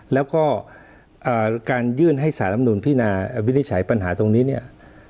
แล้วก็การยื่นให้สารลำนูลพินาวินิจฉัยปัญหาตรงนี้เนี่ย